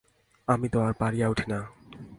আমি তো আর পারিয়া উঠি না।